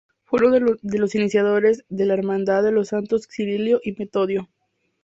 Fue uno de los iniciadores de la Hermandad de los Santos Cirilo y Metodio.